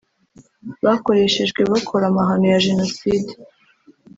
bakoreshejwe bakora amahano ya Jenoside